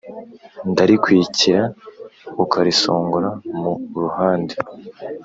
ndarikwikira ukarisongora mu ruhande.